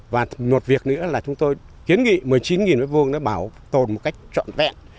và một việc nữa là chúng tôi kiến nghị một mươi chín m hai bảo tồn một cách trọn vẹn